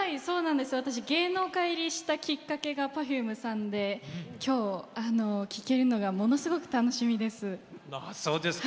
私、芸能界入りしたきっかけがＰｅｒｆｕｍｅさんで今日聴けるのがものすごく楽しみです。